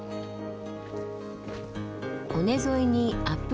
尾根沿いにアップ